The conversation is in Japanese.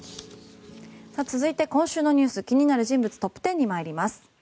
続いて今週の気になる人物トップ１０に参ります。